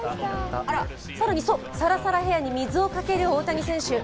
更に、サラサラヘアに水をかける大谷選手。